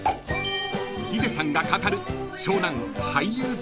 ［ヒデさんが語る長男］